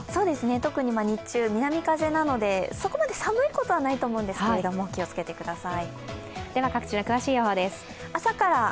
特に日中、南風なのでそこまで寒いことはないと思うんですけど、気をつけてください。